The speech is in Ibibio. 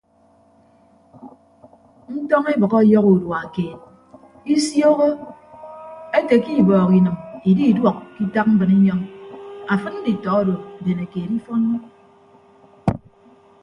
Ntọñ ebʌk ọyọhọ udua keed isioho ete ke ibọọk inịm ididuọk ke itak mbrinyọñ afịd nditọ odo bene keed ifọnnọ.